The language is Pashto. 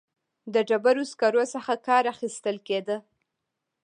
د ډبرو سکرو څخه کار اخیستل کېده.